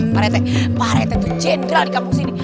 pak rete tuh jenggeral di kampung sini